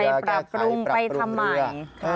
ไปปรับปรุงไปทำใหม่